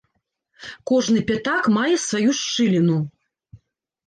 Кожны пятак мае сваю шчыліну.